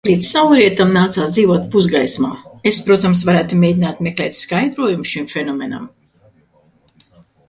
Līdz saulrietam nācās dzīvot pusgaismā. Es, protams, varētu mēģināt meklēt skaidrojumu šim fenomenam.